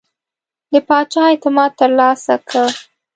د پاچا اعتماد ترلاسه کړ.